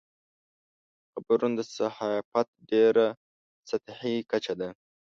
خبرونه د صحافت ډېره سطحي کچه ده.